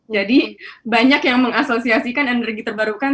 jadi banyak yang mengasosiasikan energi terbarukan